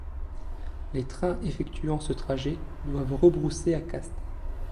Les trains effectuant ce trajet doivent rebrousser à Castres.